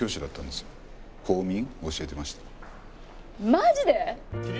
マジで？